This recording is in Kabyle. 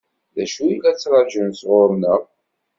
D acu i la ttṛaǧun sɣur-neɣ?